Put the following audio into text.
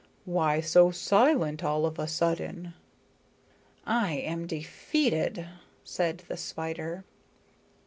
Why so silent all of a sudden?" "I am defeated," said the spider.